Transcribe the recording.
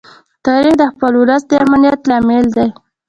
تاریخ د خپل ولس د امنیت لامل دی.